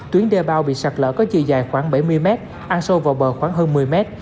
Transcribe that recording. tuyến đê bao bị sạt lở có chiều dài khoảng bảy mươi mét ăn sâu vào bờ khoảng hơn một mươi mét